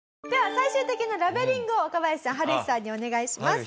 最終的なラベリングを若林さんハルヒさんにお願いします。